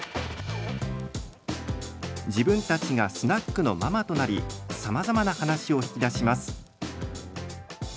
自分たちがスナックのママとなりさまざまな話を引き出します。